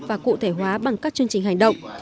và cụ thể hóa bằng các chương trình hành động